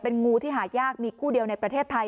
งูที่หายากมีคู่เดียวในประเทศไทย